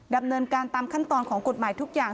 ดำเนินการตามขั้นตอนของกฎหมายทุกอย่าง